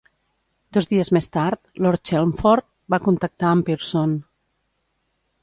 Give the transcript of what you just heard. Dos dies més tard, Lord Chelmford va contactar amb Pearson.